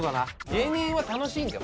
芸人は楽しいんだよ